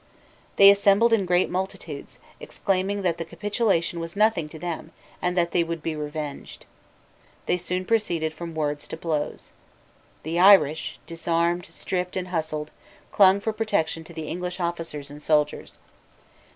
They assembled in great multitudes, exclaiming that the capitulation was nothing to them, and that they would be revenged. They soon proceeded from words to blows. The Irish, disarmed, stripped, and hustled, clung for protection to the English officers and soldiers.